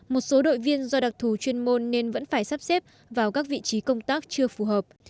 một số đội viên do đặc thù chuyên môn nên vẫn phải sắp xếp vào các vị trí công tác chưa phù hợp